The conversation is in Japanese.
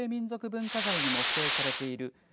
文化財にも指定されている